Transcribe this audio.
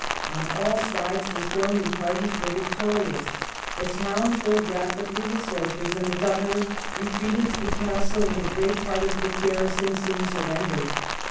On all sides the storming parties were victorious, the town filled rapidly with soldiers, and the Governor, retreating to the castle with a great part of the garrison, soon surrendered.